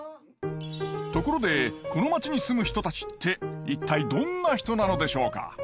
ところでこの町に住む人たちって一体どんな人なのでしょうか？